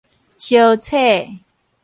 相扯